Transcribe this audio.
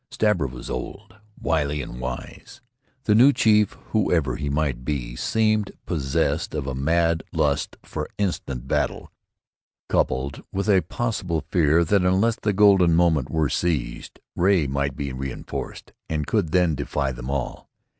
Stabber was old, wily and wise. The new chief, whoever he might be, seemed possessed of a mad lust for instant battle, coupled with a possible fear that, unless the golden moment were seized, Ray might be reinforced and could then defy them all.